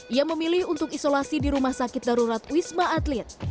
ia memilih untuk isolasi di rumah sakit darurat wisma atlet